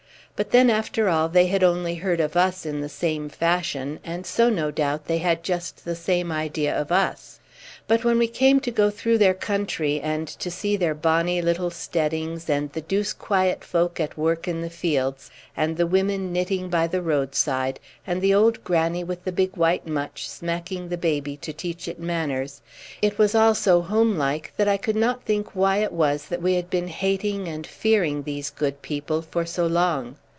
But then, after all, they had only heard of us in the same fashion, and so, no doubt, they had just the same idea of us. But when we came to go through their country, and to see their bonny little steadings, and the douce quiet folk at work in the fields, and the women knitting by the roadside, and the old granny with a big white mutch smacking the baby to teach it manners, it was all so home like that I could not think why it was that we had been hating and fearing these good people for so long.